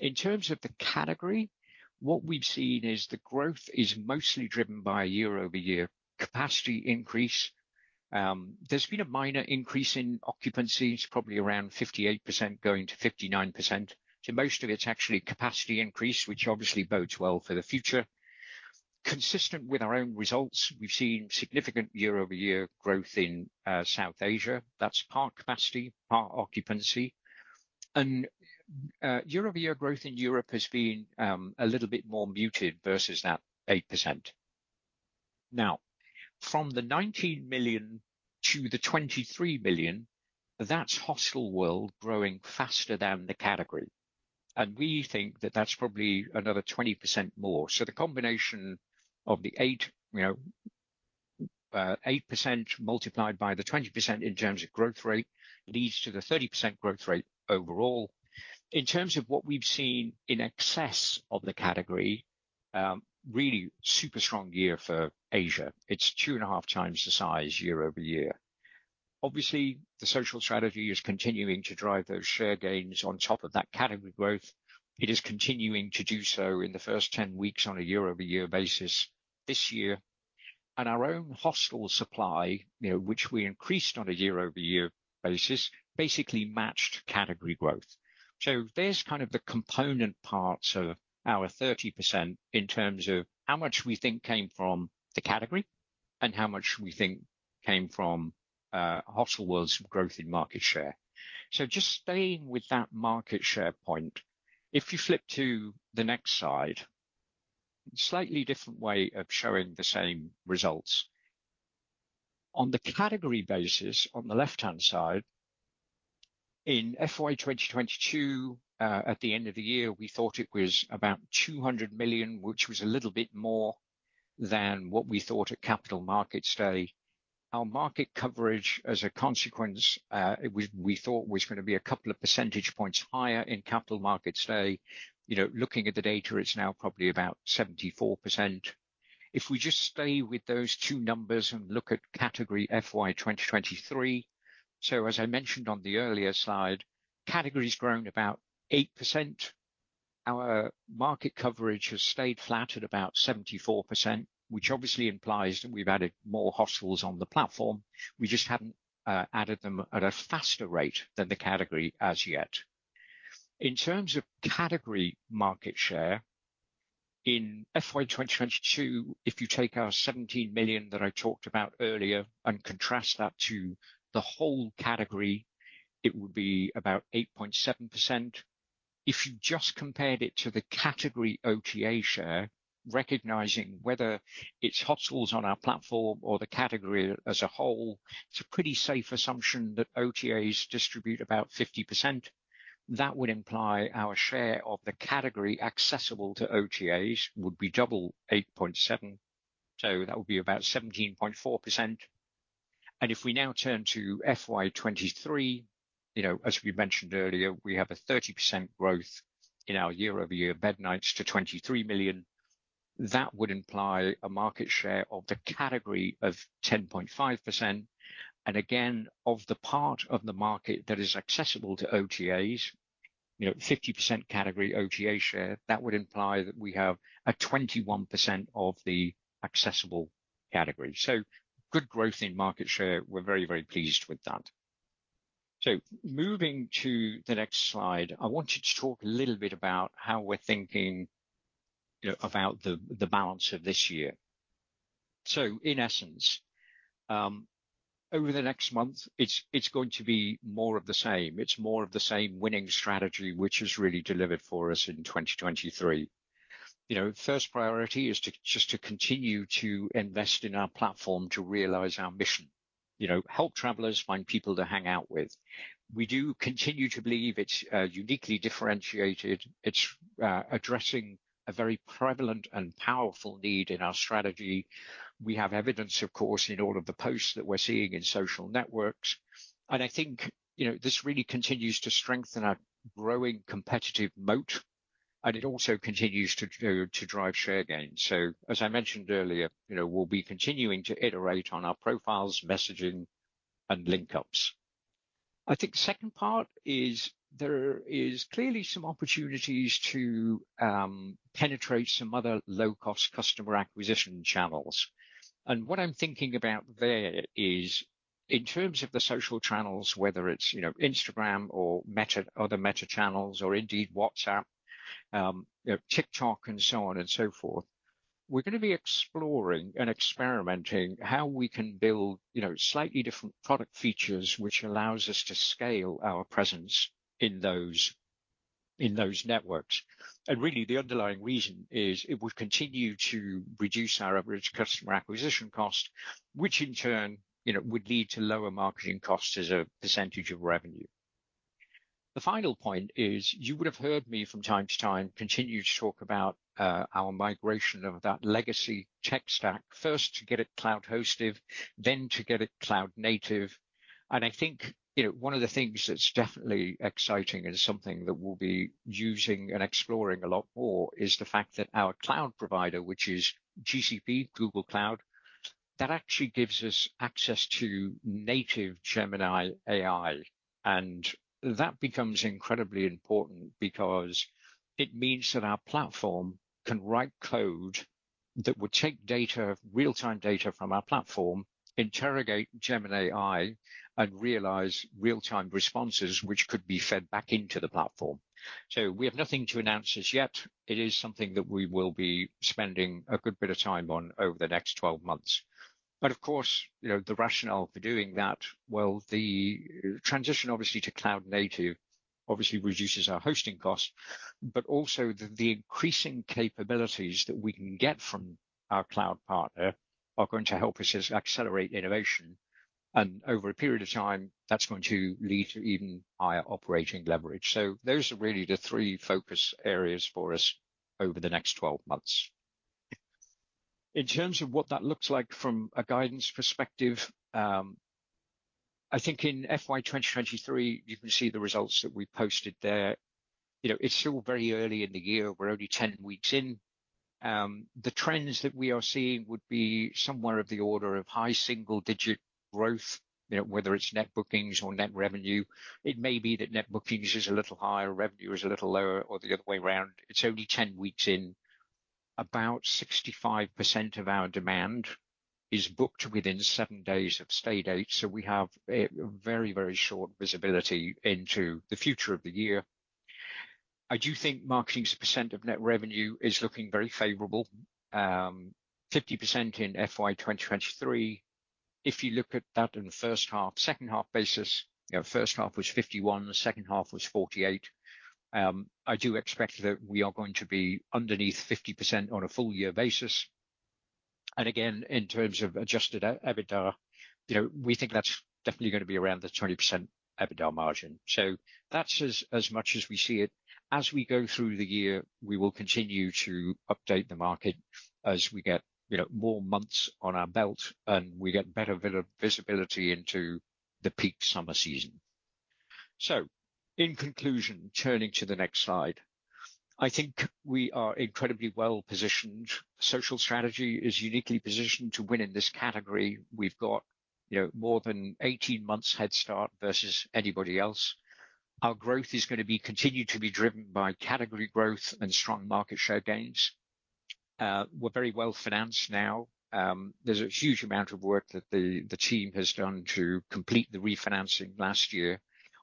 In terms of the category, what we've seen is the growth is mostly driven by a year-over-year capacity increase. There's been a minor increase in occupancies, probably around 58%, going to 59%. So most of it's actually capacity increase, which obviously bodes well for the future. Consistent with our own results, we've seen significant year-over-year growth in South Asia. That's part capacity, part occupancy. And year-over-year growth in Europe has been a little bit more muted versus that 8%. Now, from the 19 million to the 23 million, that's Hostelworld growing faster than the category, and we think that that's probably another 20% more. So the combination of the eight, you know, eight percent multiplied by the 20% in terms of growth rate, leads to the 30% growth rate overall. In terms of what we've seen in excess of the category, really super strong year for Asia. It's 2.5x the size year-over-year. Obviously, the social strategy is continuing to drive those share gains on top of that category growth. It is continuing to do so in the first 10 weeks on a year-over-year basis this year. And our own hostel supply, you know, which we increased on a year-over-year basis, basically matched category growth. So there's kind of the component parts of our 30% in terms of how much we think came from the category... and how much we think came from, Hostelworld's growth in market share. So just staying with that market share point, if you flip to the next slide, slightly different way of showing the same results. On the category basis, on the left-hand side, in FY 2022, at the end of the year, we thought it was about 200 million, which was a little bit more than what we thought at Capital Markets Day. Our market coverage, as a consequence, we thought was gonna be a couple of percentage points higher in Capital Markets Day. You know, looking at the data, it's now probably about 74%. If we just stay with those two numbers and look at category FY 2023, so as I mentioned on the earlier slide, category's grown about 8%. Our market coverage has stayed flat at about 74%, which obviously implies that we've added more hostels on the platform. We just haven't added them at a faster rate than the category as yet. In terms of category market share, in FY 2022, if you take our 17 million that I talked about earlier and contrast that to the whole category, it would be about 8.7%. If you just compared it to the category OTA share, recognizing whether it's hostels on our platform or the category as a whole, it's a pretty safe assumption that OTAs distribute about 50%. That would imply our share of the category accessible to OTAs would be double 8.7, so that would be about 17.4%. And if we now turn to FY 2023, you know, as we mentioned earlier, we have a 30% growth in our year-over-year bed nights to 23 million. That would imply a market share of the category of 10.5%, and again, of the part of the market that is accessible to OTAs, you know, 50% category OTA share, that would imply that we have a 21% of the accessible category. So good growth in market share. We're very, very pleased with that. So moving to the next slide, I wanted to talk a little bit about how we're thinking, you know, about the balance of this year. So in essence, over the next month, it's going to be more of the same. It's more of the same winning strategy, which has really delivered for us in 2023. You know, first priority is to just to continue to invest in our platform to realize our mission. You know, help travelers find people to hang out with. We do continue to believe it's uniquely differentiated. It's addressing a very prevalent and powerful need in our strategy. We have evidence, of course, in all of the posts that we're seeing in social networks, and I think, you know, this really continues to strengthen our growing competitive moat, and it also continues to drive share gains. So as I mentioned earlier, you know, we'll be continuing to iterate on our profiles, messaging, and Linkups. I think the second part is there is clearly some opportunities to penetrate some other low-cost customer acquisition channels. What I'm thinking about there is in terms of the social channels, whether it's, you know, Instagram or Meta, other Meta channels, or indeed WhatsApp, you know, TikTok and so on and so forth, we're gonna be exploring and experimenting how we can build, you know, slightly different product features which allows us to scale our presence in those, in those networks. And really, the underlying reason is it would continue to reduce our average customer acquisition cost, which in turn, you know, would lead to lower marketing costs as a percentage of revenue. The final point is, you would have heard me from time to time continue to talk about, our migration of that legacy tech stack. First, to get it cloud-hosted, then to get it cloud-native. I think, you know, one of the things that's definitely exciting and something that we'll be using and exploring a lot more is the fact that our cloud provider, which is GCP, Google Cloud, that actually gives us access to native Gemini AI. That becomes incredibly important because it means that our platform can write code that would take data, real-time data from our platform, interrogate Gemini AI, and realize real-time responses, which could be fed back into the platform. So we have nothing to announce as yet. It is something that we will be spending a good bit of time on over the next twelve months. But of course, you know, the rationale for doing that, well, the transition obviously to cloud-native reduces our hosting costs, but also the increasing capabilities that we can get from our cloud partner are going to help us accelerate innovation, and over a period of time, that's going to lead to even higher operating leverage. So those are really the three focus areas for us over the next 12 months. In terms of what that looks like from a guidance perspective, I think in FY 2023, you can see the results that we posted there. You know, it's still very early in the year. We're only 10 weeks in. The trends that we are seeing would be somewhere of the order of high single-digit growth, you know, whether it's net bookings or net revenue. It may be that net bookings is a little higher, revenue is a little lower, or the other way around. It's only 10 weeks in. About 65% of our demand is booked within 7 days of stay date, so we have a very, very short visibility into the future of the year... I do think marketing's percent of net revenue is looking very favorable. 50% in FY 2023. If you look at that in the first half, second half basis, you know, first half was 51%, the second half was 48%. I do expect that we are going to be underneath 50% on a full year basis. And again, in terms of adjusted EBITDA, you know, we think that's definitely gonna be around the 20% EBITDA margin. So that's as, as much as we see it. As we go through the year, we will continue to update the market as we get, you know, more months on our belt, and we get better visibility into the peak summer season. So, in conclusion, turning to the next slide, I think we are incredibly well-positioned. Social strategy is uniquely positioned to win in this category. We've got, you know, more than 18 months head start versus anybody else. Our growth is gonna be continued to be driven by category growth and strong market share gains. We're very well-financed now. There's a huge amount of work that the team has done to complete the refinancing last year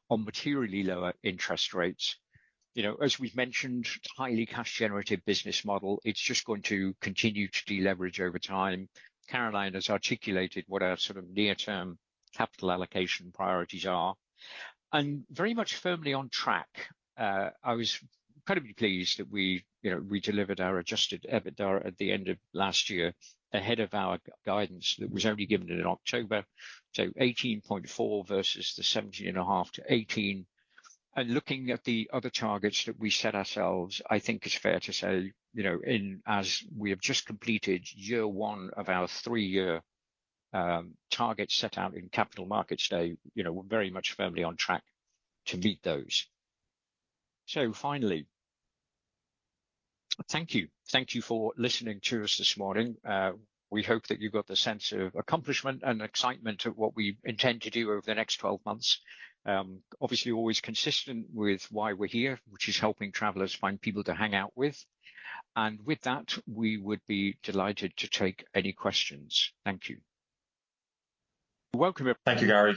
on materially lower interest rates. You know, as we've mentioned, it's highly cash generative business model. It's just going to continue to deleverage over time. Caroline has articulated what our sort of near-term capital allocation priorities are, and very much firmly on track. I was incredibly pleased that we, you know, we delivered our Adjusted EBITDA at the end of last year, ahead of our guidance that was only given in October. So 18.4 versus 17.5-18. And looking at the other targets that we set ourselves, I think it's fair to say, you know, in as we have just completed year one of our three-year target set out in Capital Markets Day, you know, we're very much firmly on track to meet those. So finally, thank you. Thank you for listening to us this morning. We hope that you got the sense of accomplishment and excitement of what we intend to do over the next 12 months. Obviously, always consistent with why we're here, which is helping travelers find people to hang out with. With that, we would be delighted to take any questions. Thank you. Welcome, everyone-
Thank you, Gary.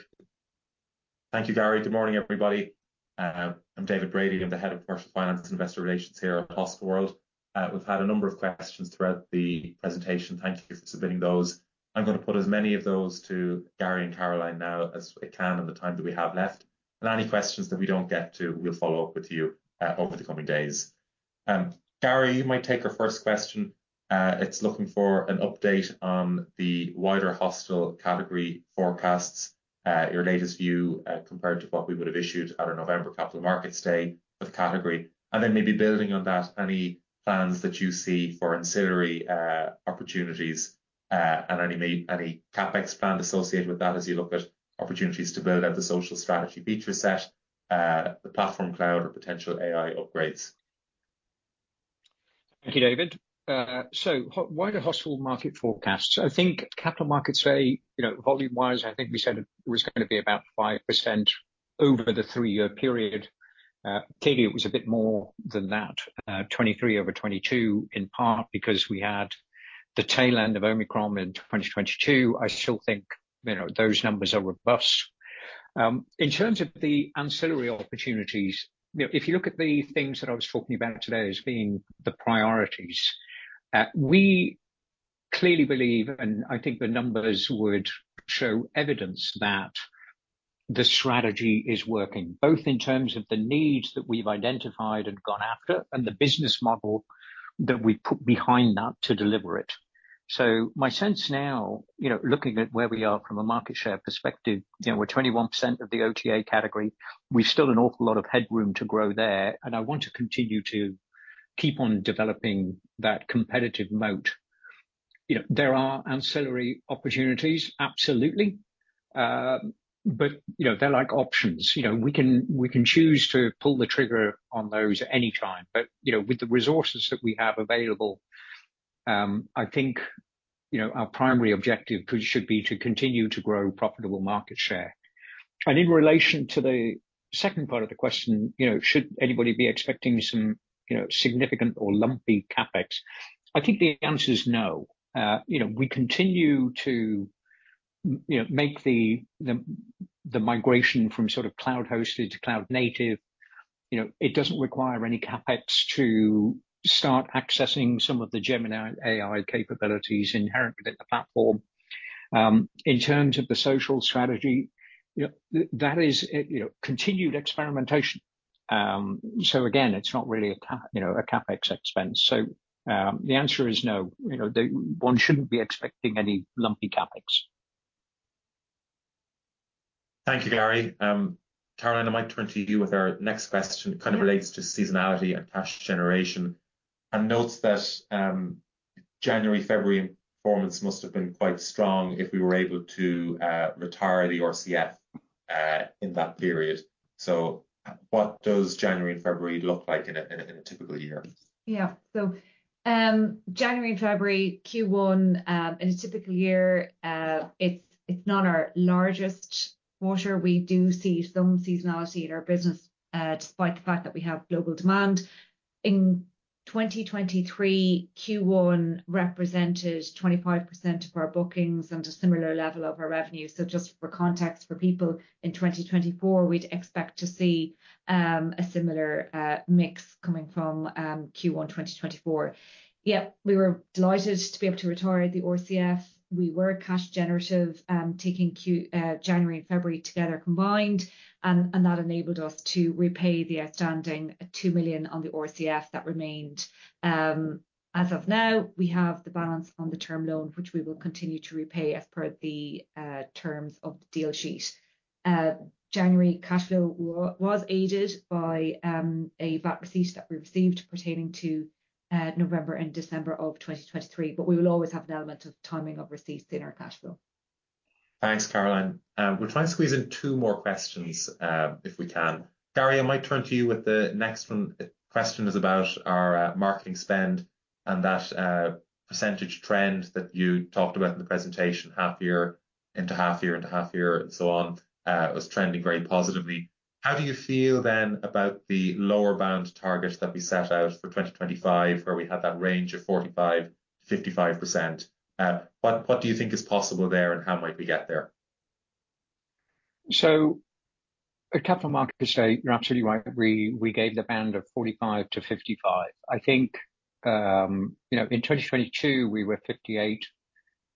Thank you, Gary. Good morning, everybody. I'm David Brady. I'm the head of Corporate Finance and Investor Relations here at Hostelworld. We've had a number of questions throughout the presentation. Thank you for submitting those. I'm gonna put as many of those to Gary and Caroline now as I can in the time that we have left, and any questions that we don't get to, we'll follow up with you over the coming days. Gary, you might take our first question. It's looking for an update on the wider hostel category forecasts, your latest view, compared to what we would have issued at our November Capital Markets Day of category. Then maybe building on that, any plans that you see for ancillary opportunities, and any M&A any CapEx plan associated with that as you look at opportunities to build out the social strategy feature set, the platform cloud or potential AI upgrades?
Thank you, David. So, wider hostel market forecasts. I think Capital Markets Day, you know, volume-wise, I think we said it was gonna be about 5% over the three-year period. Clearly, it was a bit more than that, 2023 over 2022, in part because we had the tail end of Omicron in 2022. I still think, you know, those numbers are robust. In terms of the ancillary opportunities, you know, if you look at the things that I was talking about today as being the priorities, we clearly believe, and I think the numbers would show evidence that the strategy is working, both in terms of the needs that we've identified and gone after, and the business model that we've put behind that to deliver it. So my sense now, you know, looking at where we are from a market share perspective, you know, we're 21% of the OTA category. We've still an awful lot of headroom to grow there, and I want to continue to keep on developing that competitive moat. You know, there are ancillary opportunities, absolutely. But, you know, they're like options. You know, we can, we can choose to pull the trigger on those at any time. But, you know, with the resources that we have available, I think, you know, our primary objective should be to continue to grow profitable market share. And in relation to the second part of the question, you know, should anybody be expecting some, you know, significant or lumpy CapEx? I think the answer is no. You know, we continue to you know, make the migration from sort of cloud-hosted to cloud-native. You know, it doesn't require any CapEx to start accessing some of the Gemini AI capabilities inherent within the platform. In terms of the social strategy, you know, that is, you know, continued experimentation. So again, it's not really you know, a CapEx expense. So, the answer is no. You know, they... One shouldn't be expecting any lumpy CapEx.
Thank you, Gary. Caroline, I might turn to you with our next question.
Yeah.
Kind of relates to seasonality and cash generation, and notes that, January, February performance must have been quite strong if we were able to, retire the RCF, in that period. So what does January and February look like in a typical year?
Yeah. So, January and February, Q1, in a typical year, it's not our largest quarter. We do see some seasonality in our business, despite the fact that we have global demand. In 2023, Q1 represented 25% of our bookings and a similar level of our revenue. So just for context, for people, in 2024, we'd expect to see a similar mix coming from Q1, 2024. Yeah, we were delighted to be able to retire the RCF. We were cash generative, taking Q, January and February together combined, and that enabled us to repay the outstanding 2 million on the RCF that remained. As of now, we have the balance on the term loan, which we will continue to repay as per the terms of the deal sheet. January cash flow was aided by a VAT receipt that we received pertaining to November and December of 2023, but we will always have an element of timing of receipts in our cash flow.
Thanks, Caroline. We'll try and squeeze in two more questions, if we can. Gary, I might turn to you with the next one. The question is about our marketing spend and that percentage trend that you talked about in the presentation, half year into half year, into half year, and so on, was trending very positively. How do you feel then about the lower bound target that we set out for 2025, where we had that range of 45%-55%? What do you think is possible there, and how might we get there?
So at Capital Markets Day, you're absolutely right. We gave the band of 45-55. I think, you know, in 2022, we were 58.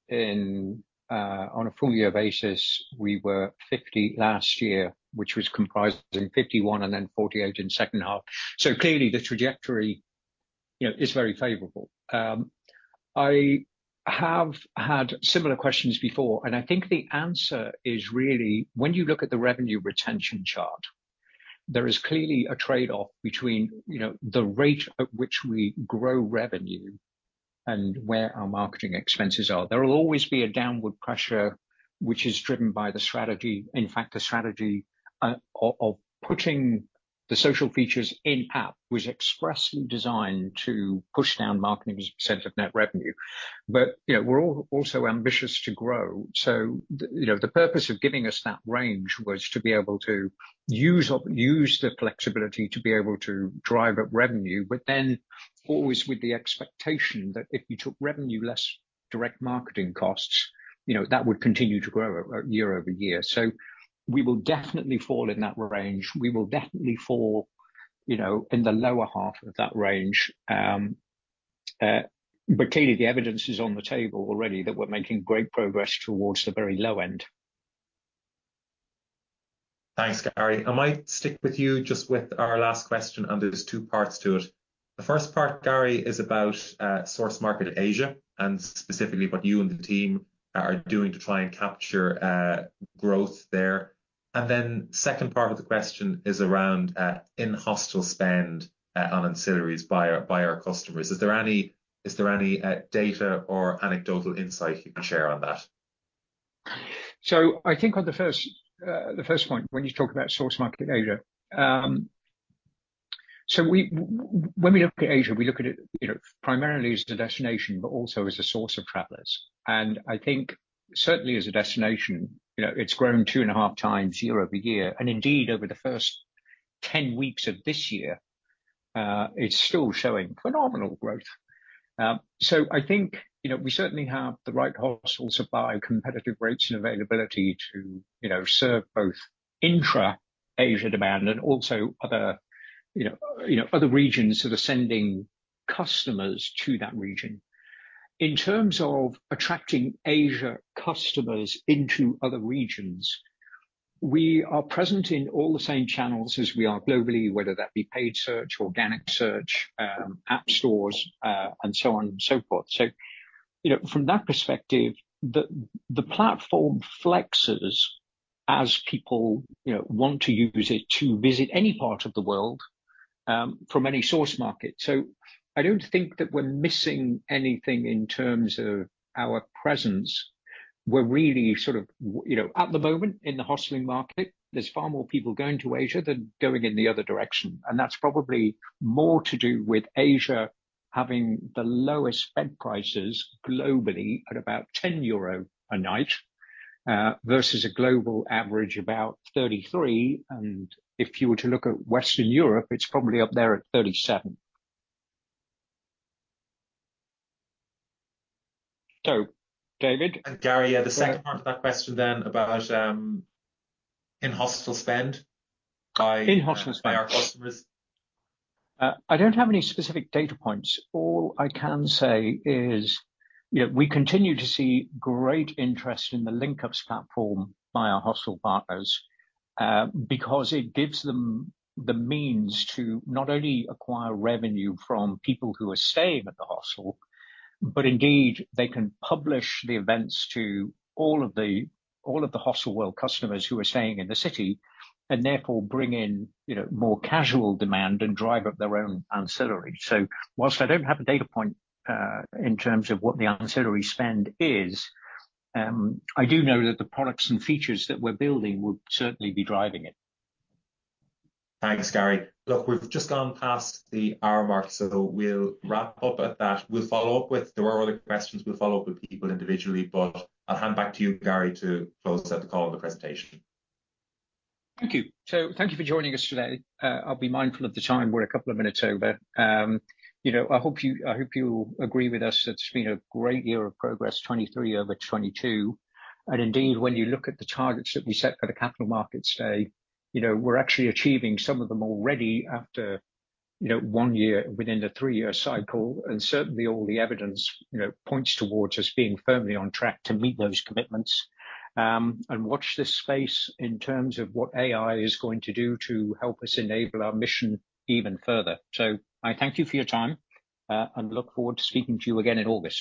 In, on a full year basis, we were 50 last year, which was comprised of 51 and then 48 in second half. So clearly, the trajectory, you know, is very favorable. I have had similar questions before, and I think the answer is really when you look at the revenue retention chart, there is clearly a trade-off between, you know, the rate at which we grow revenue and where our marketing expenses are. There will always be a downward pressure, which is driven by the strategy. In fact, the strategy of putting the social features in-app was expressly designed to push down marketing's % of net revenue. But, you know, we're also ambitious to grow. So, you know, the purpose of giving us that range was to be able to use the flexibility to be able to drive up revenue, but then always with the expectation that if you took revenue less direct marketing costs, you know, that would continue to grow year-over-year. So we will definitely fall in that range. We will definitely fall, you know, in the lower half of that range. But clearly the evidence is on the table already that we're making great progress towards the very low end.
Thanks, Gary. I might stick with you just with our last question, and there's two parts to it. The first part, Gary, is about source market Asia, and specifically what you and the team are, are doing to try and capture growth there. And then second part of the question is around in-hostel spend on ancillaries by our, by our customers. Is there any, is there any data or anecdotal insight you can share on that?
So I think on the first point, when you talk about source market Asia, so we, when we look at Asia, we look at it, you know, primarily as a destination, but also as a source of travelers. And I think certainly as a destination, you know, it's grown 2.5 times year-over-year, and indeed, over the first 10 weeks of this year, it's still showing phenomenal growth. So I think, you know, we certainly have the right hostels to buy competitive rates and availability to, you know, serve both intra-Asia demand and also other, you know, other regions that are sending customers to that region. In terms of attracting Asia customers into other regions, we are present in all the same channels as we are globally, whether that be paid search, organic search, app stores, and so on and so forth. So, you know, from that perspective, the platform flexes as people, you know, want to use it to visit any part of the world, from any source market. So I don't think that we're missing anything in terms of our presence. We're really sort of... You know, at the moment, in the hosteling market, there's far more people going to Asia than going in the other direction, and that's probably more to do with Asia having the lowest spend prices globally at about 10 euro a night, versus a global average about 33, and if you were to look at Western Europe, it's probably up there at EUR 37. So, David?
Gary, the second part of that question then, about in-hostel spend by-
In-hostel spend.
Our customers.
I don't have any specific data points. All I can say is, you know, we continue to see great interest in the Linkups platform by our hostel partners, because it gives them the means to not only acquire revenue from people who are staying at the hostel, but indeed they can publish the events to all of the, all of the Hostelworld customers who are staying in the city, and therefore bring in, you know, more casual demand and drive up their own ancillary. So while I don't have a data point, in terms of what the ancillary spend is, I do know that the products and features that we're building will certainly be driving it.
Thanks, Gary. Look, we've just gone past the hour mark, so we'll wrap up at that. We'll follow up with... There are other questions, we'll follow up with people individually, but I'll hand back to you, Gary, to close out the call and the presentation.
Thank you. So thank you for joining us today. I'll be mindful of the time. We're a couple of minutes over. You know, I hope you, I hope you agree with us that it's been a great year of progress, 2023 over 2022. And indeed, when you look at the targets that we set for the Capital Markets Day, you know, we're actually achieving some of them already after, you know, one year within the three-year cycle. And certainly all the evidence, you know, points towards us being firmly on track to meet those commitments. And watch this space in terms of what AI is going to do to help us enable our mission even further. So I thank you for your time, and look forward to speaking to you again in August.